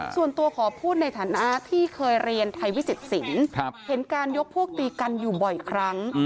ส่วนตัวขอพูดในฐานะที่เคยเรียนไทยวิจิตศิลป์เห็นการยกพวกตีกันอยู่บ่อยครั้ง